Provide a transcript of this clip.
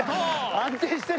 安定してる